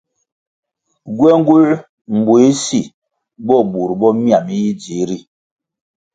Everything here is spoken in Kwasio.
Gywenguē mbuéh si bo bur bo mia mi yi dzihri.